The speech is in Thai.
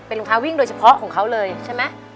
รองเท้าวิ่งโดยเฉพาะของเขาเลยใช่ไหม